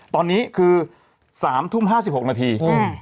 ตอนนี้คือ๓ทุ่ม๕๖นาที